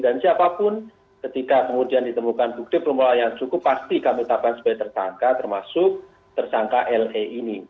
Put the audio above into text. dan siapapun ketika ditemukan bukti permulaan yang cukup pasti kami tetapkan sebagai tersangka termasuk tersangka le ini